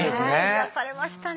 癒やされましたね。